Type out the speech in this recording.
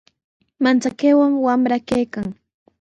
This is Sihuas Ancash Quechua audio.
Manchakaywan wamra kaykan.